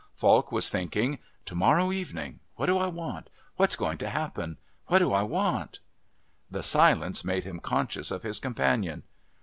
Falk was thinking. "To morrow evening.... What do I want? What's going to happen? What do I want?" The silence made him conscious of his companion.